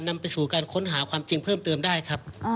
นำไปสู่การค้นหาความจริงเพิ่มเติมได้ครับ